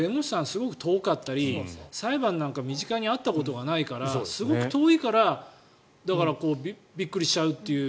すごく遠かったり裁判なんか身近にあったことがないからすごく遠いからだからびっくりしちゃうという。